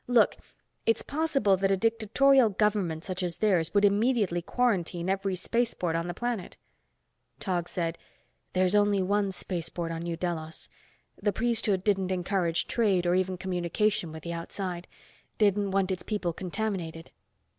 "Look! It's possible that a dictatorial government such as theirs would immediately quarantine every spaceport on the planet." Tog said, "There's only one spaceport on New Delos. The priesthood didn't encourage trade or even communication with the outside. Didn't want its people contaminated."